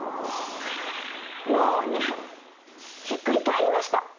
もうねひっくり返りました。